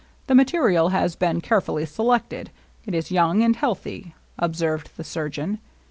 The material has been carefully selected. It is young and healthy," ob served the surgeon.